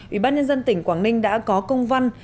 ủy ban nhân dân tỉnh quảng ninh đã có công văn